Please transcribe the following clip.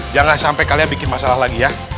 jangan sampai kalian bikin masalah lagi ya